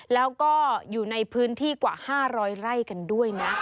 แล้วก็อยู่ในพื้นที่กว่า๕๐๐ไร่กันด้วยนะ